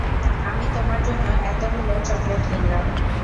আমি তোমার জন্য এতগুলো চকলেট কিনলাম।